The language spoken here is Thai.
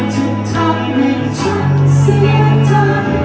อาจจะทำให้ฉันเสียเธอ